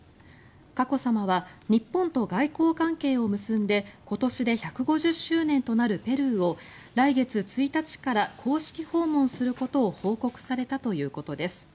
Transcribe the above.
佳子さまは日本と外交関係を結んで今年で１５０周年となるペルーを来月１日から公式訪問することを報告されたということです。